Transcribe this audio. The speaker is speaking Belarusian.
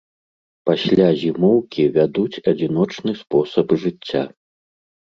Пасля зімоўкі вядуць адзіночны спосаб жыцця.